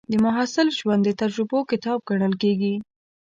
د محصل ژوند د تجربو کتاب ګڼل کېږي.